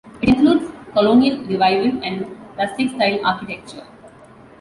It includes Colonial Revival and Rustic Style architecture.